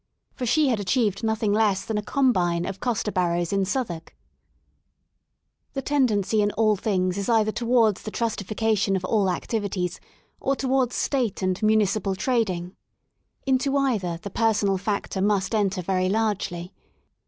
For she had achieved nothing less than a combine" of coster barrows in Southwark* The tendency in all things is either towards the trustification of all activities or towards State and Municipal trading.^ Into either the personal factor must enter very largely.